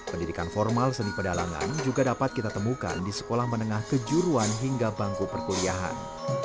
pendidikan formal seni pedalangan juga dapat kita temukan di sekolah menengah kejuruan hingga bangku perkuliahan